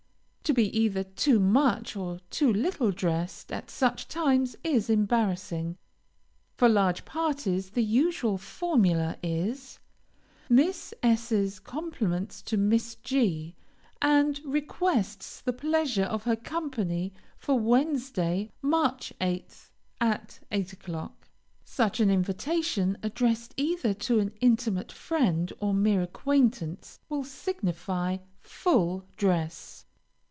To be either too much, or too little dressed at such times is embarrassing. For large parties, the usual formula is: Miss S 's compliments to Miss G , and requests the pleasure of her company for Wednesday, March 8th, at 8 o'clock. Such an invitation, addressed either to an intimate friend or mere acquaintance, will signify full dress.